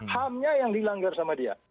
ham nya yang dilanggar sama dia